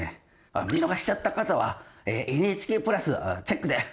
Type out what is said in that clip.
あっ見逃しちゃった方はＮＨＫプラスチェックで！